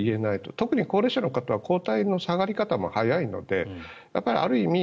特に高齢者の方は抗体の下がり方も早いのである意味